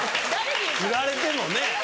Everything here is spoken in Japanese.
ふられてもね。